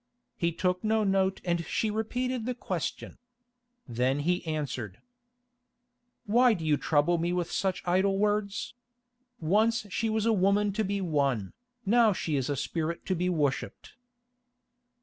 He took no note and she repeated the question. Then he answered: "Why do you trouble me with such idle words. Once she was a woman to be won, now she is a spirit to be worshipped."